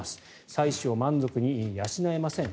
妻子を満足に養えません。